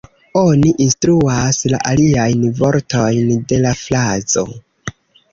Oni instruas la aliajn vortojn de la frazo.